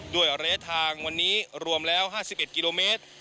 ด้วยระยะทางวันนี้รวมแล้ว๕๑กิโลเมตร